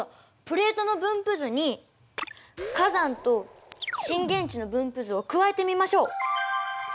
プレートの分布図に火山と震源地の分布図を加えてみましょう。